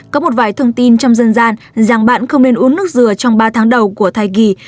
có một vài thông tin trong dân gian rằng bạn không nên uống nước dừa trong ba tháng đầu của thai kỳ